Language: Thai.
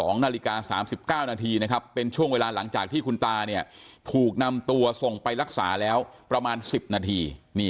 ๒นาฬิกา๓๙นาทีนะครับเป็นช่วงเวลาหลังจากที่คุณตาถูกนำตัวส่งไปรักษาแล้วประมาณ๑๐นาที